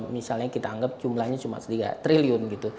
misalnya kita anggap jumlahnya cuma rp tiga triliun